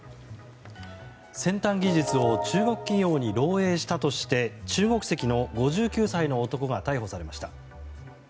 先端技術を中国企業に漏洩したとして中国籍の５９歳の男が逮捕されました。